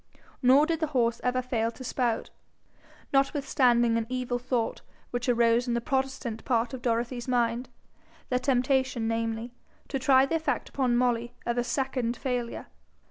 Nor did the horse ever fail to spout, notwithstanding an evil thought which arose in the protestant part of Dorothy's mind the temptation, namely, to try the effect upon Molly of a second failure.